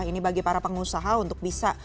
ini bagi para pengusaha untuk bisa